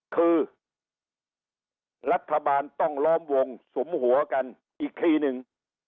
คือรัฐบาลต้องล้อมวงสุมหัวกันอีกทีหนึ่ง